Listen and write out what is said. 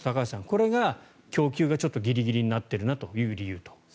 これが供給がちょっとギリギリになっているなという理由と。